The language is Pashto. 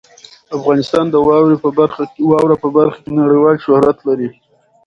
افغانستان د واوره په برخه کې نړیوال شهرت لري.